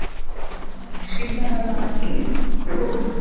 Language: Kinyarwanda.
Sheebah n'abandi